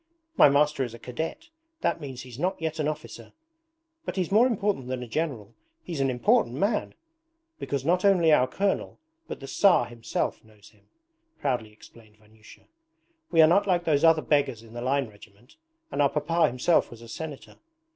'My master is a cadet; that means he's not yet an officer, but he's more important than a general he's an important man! Because not only our colonel, but the Tsar himself, knows him,' proudly explained Vanyusha. 'We are not like those other beggars in the line regiment, and our papa himself was a Senator.